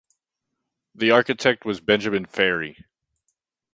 The architect was Benjamin Ferrey.